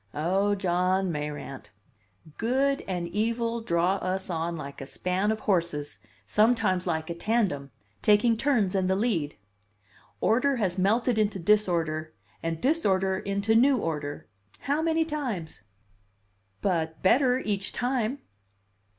"Oh, John Mayrant! Good and evil draw us on like a span of horses, sometimes like a tandem, taking turns in the lead. Order has melted into disorder, and disorder into new order how many times?" "But better each time."